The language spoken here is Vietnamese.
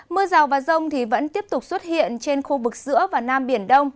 mưa rào và rông vẫn tiếp tục xuất hiện trên khu vực giữa và nam biển đông